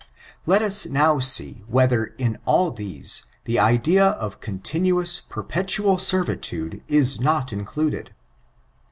Let as now see, whetbcr, in all these, the idea of cuDtinttoiia, perpetual servitude be not included.